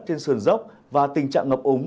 trên sườn dốc và tình trạng ngập ống